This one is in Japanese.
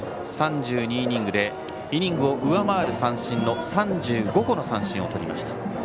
３２イニングでイニングを上回る３５個の三振をとりました。